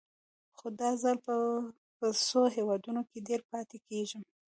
خو دا ځل به په څو هېوادونو کې ډېر پاتې کېږم.